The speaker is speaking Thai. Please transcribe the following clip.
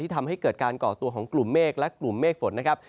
ทำให้เกิดการก่อตัวของกลุ่มเมฆและกลุ่มเมฆฝนนะครับ